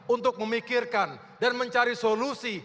untuk memikirkan dan mencari solusi